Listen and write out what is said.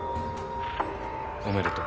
おめでとう。